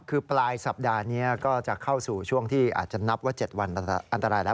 คือปลายสัปดาห์นี้ก็จะเข้าสู่ช่วงที่อาจจะนับว่า๗วันอันตรายแล้ว